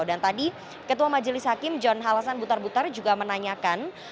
tadi ketua majelis hakim john halasan butar butar juga menanyakan